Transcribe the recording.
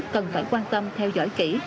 cần phải quan tâm theo dõi kỹ